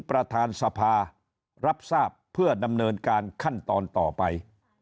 ประธานสภารับทราบเพื่อดำเนินการขั้นตอนต่อไป